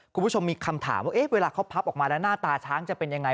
คุณผู้ชมมีคำถามว่าเวลาเขาพับออกมาแล้วหน้าตาช้างจะเป็นยังไง